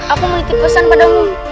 aku menitip pesan padamu